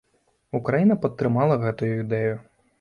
Украіна падтрымала гэтую ідэю.